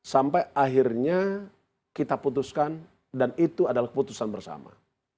sampai akhirnya kita putuskan dan itu adalah keputusan bersama